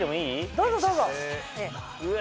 どうぞどうぞ！うわ！